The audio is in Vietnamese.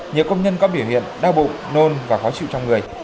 nhiều công nhân có biểu hiện đau bụng nôn và khó chịu trong người